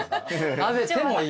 食べてもいい。